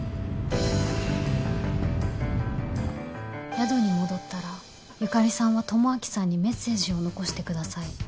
宿に戻ったら由香里さんは智明さんにメッセージを残してください。